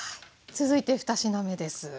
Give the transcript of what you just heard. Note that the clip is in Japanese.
続いて２品目です。